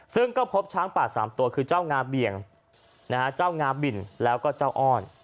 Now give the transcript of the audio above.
ซึ่งก็พบช้างป่า๓ตัวคือเจ้างาเบี่ยงเจ้างาบินแล้วก็เจ้าอ้อน